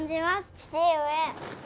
父上。